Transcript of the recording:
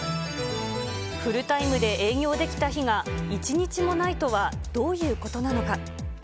フルタイムで営業できた日が一日もないとはどういうことなのか。